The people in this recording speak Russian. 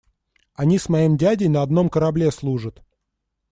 Они с моим дядей на одном корабле служат.